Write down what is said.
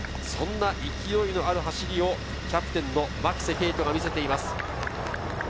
そんな勢いのある走りをキャプテンの牧瀬圭斗が見せています。